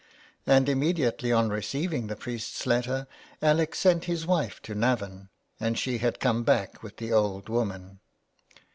And immediately on receiving the priest's letter, Alec sent his wife to Navan, and she had come back with the old woman.